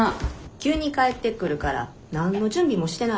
急に帰ってくるから何の準備もしてないよ。